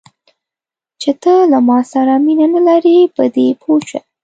چې ته له ما سره مینه نه لرې، په دې پوه شه.